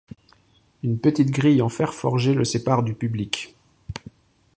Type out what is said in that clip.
Une petite grille en fer forgé le sépare du public.